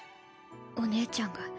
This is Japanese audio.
お姉ちゃんが。